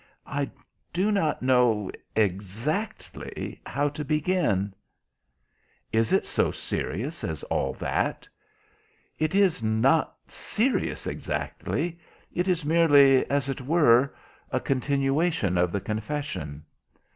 "I do not know exactly how to begin." "Is it so serious as all that?" "It is not serious exactly—it is merely, as it were, a continuation of the confession."